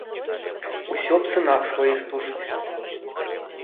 Усё аб сынах сваіх тужыць.